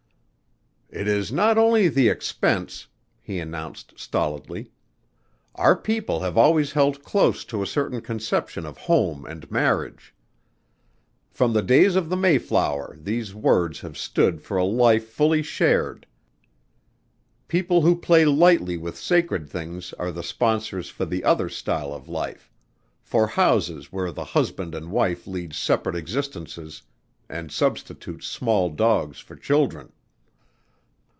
"It is not only the expense," he announced stolidly. "Our people have always held close to a certain conception of home and marriage. From the days of the Mayflower these words have stood for a life fully shared. People who play lightly with sacred things are the sponsors for the other style of life: for houses where the husband and wife lead separate existences and substitute small dogs for children."